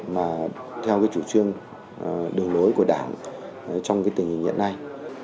mà theo cái chủ trương đường lối của đảng trong cái tình hình hiện nay